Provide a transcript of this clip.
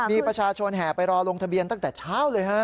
มีประชาชนแห่ไปรอลงทะเบียนตั้งแต่เช้าเลยฮะ